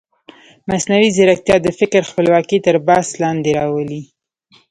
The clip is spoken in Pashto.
مصنوعي ځیرکتیا د فکر خپلواکي تر بحث لاندې راولي.